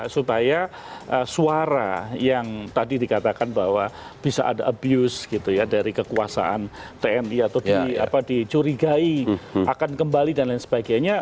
supaya suara yang tadi dikatakan bahwa bisa ada abuse gitu ya dari kekuasaan tni atau dicurigai akan kembali dan lain sebagainya